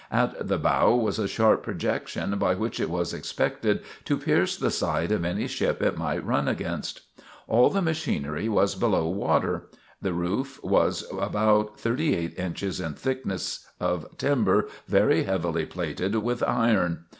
At the bow was a sharp projection by which it was expected to pierce the side of any ship it might run against. All the machinery was below water. The roof was about thirty eight inches in thickness, of timber very heavily plated with iron.